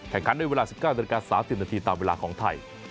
แข่งขันด้วยเวลา๑๙๓๐นตามเวลาของไทย